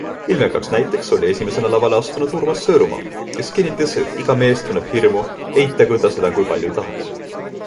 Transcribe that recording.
Ilmekaks näiteks oli esimesena lavale astunud Urmas Sõõrumaa, kes kinnitas, et iga mees tunneb hirmu, eitagu ta seda kui palju tahes.